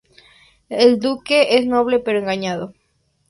El duque es noble pero engañado.